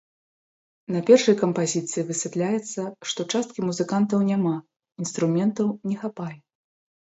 На першай кампазіцыі высвятляецца, што часткі музыкантаў няма, інструментаў не хапае.